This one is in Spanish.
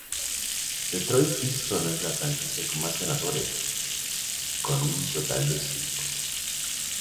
Detroit Pistons es la franquicia con más ganadores, con un total de cinco.